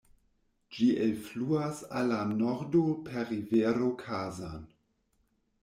Ĝi elfluas al la nordo per rivero Kazan.